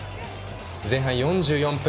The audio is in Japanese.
前半４４分。